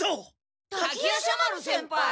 滝夜叉丸先輩！